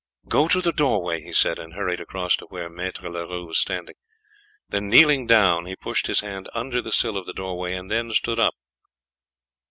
"Go to the doorway," he said, and hurried across to where Maître Leroux was standing; then kneeling down he pushed his hand under the sill of the doorway and then stood up.